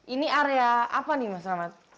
ini area apa nih mas rahmat